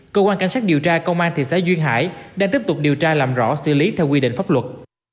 cơ quan cảnh sát điều tra công an thị xã duyên hải đang tiếp tục điều tra làm rõ xử lý theo quy định pháp luật